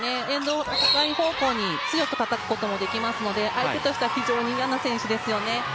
エンドライン方向に強くたたくこともできますので相手としては非常に嫌な選手ですね。